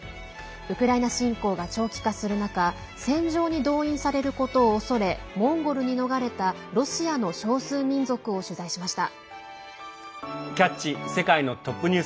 ウクライナ侵攻が長期化する中戦場に動員されることを恐れモンゴルに逃れたロシアの少数民族を取材しました。